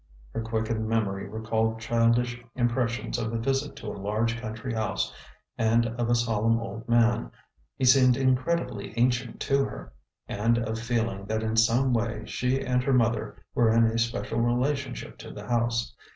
Her quickened memory recalled childish impressions of a visit to a large country house and of a solemn old man he seemed incredibly ancient to her and of feeling that in some way she and her mother were in a special relationship to the house.